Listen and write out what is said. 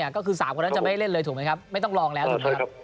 ก็คือ๓คนนั้นจะไม่ได้เล่นเลยถูกไหมครับไม่ต้องลองแล้วถูกไหมครับ